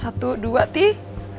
satu dua tih